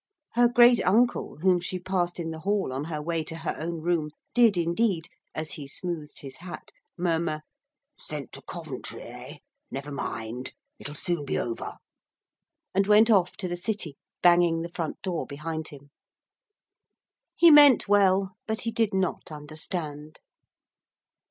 Her great uncle, whom she passed in the hall on her way to her own room, did indeed, as he smoothed his hat, murmur, 'Sent to Coventry, eh? Never mind, it'll soon be over,' and went off to the City banging the front door behind him. He meant well, but he did not understand.